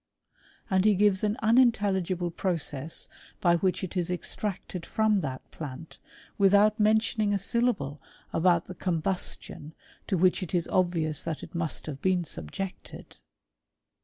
And he gives an unintelligible process by which it is extracted from that plant, without men tioning a syllable about the combustion to which it i^r obvious that it must have been subjected.